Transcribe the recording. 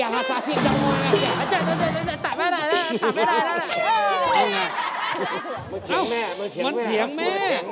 มันเฉียงแม่มาเฉียงแม่